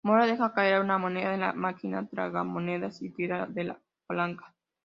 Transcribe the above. Moore deja caer una moneda en la máquina tragamonedas y tira de la palanca.